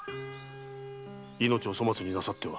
命を粗末になさっては。